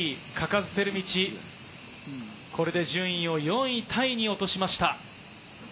嘉数光倫、これで順位を４位タイに落としました。